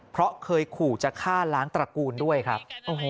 เพราะเคยขู่จะฆ่าล้างตระกูลด้วยครับ